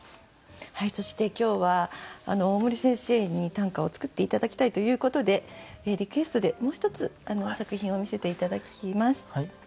そして今日は大森先生に短歌を作って頂きたいということでリクエストでもう一つ作品を見せて頂きます。